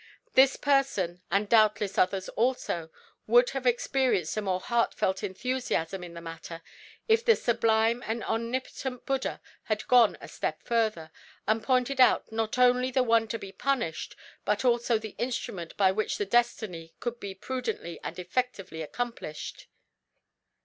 This person, and doubtless others also, would have experienced a more heartfelt enthusiasm in the matter if the sublime and omnipotent Buddha had gone a step further, and pointed out not only the one to be punished, but also the instrument by which the destiny could be prudently and effectively accomplished."